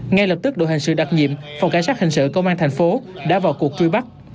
ngay lập tức đội hình sự đặc nhiệm phòng cảnh sát hình sự công an thành phố đã vào cuộc truy bắt